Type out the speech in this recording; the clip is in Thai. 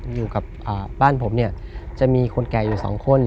อยู่กับบ้านผมเนี่ยจะมีคนแก่อยู่สองคน